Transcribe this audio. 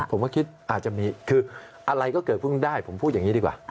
ผมก็คิดอาจจะมีคืออะไรก็เกิดเพิ่งได้ผมพูดอย่างนี้ดีกว่า